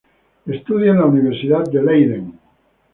Estudió en la Universidad de Leiden.